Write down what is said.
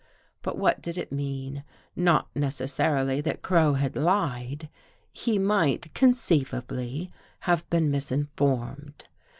But what did it mean? Not necessarily that Crow had lied. He might conceivably have been misin formed.